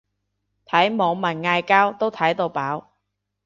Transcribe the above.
睇網民嗌交都睇到飽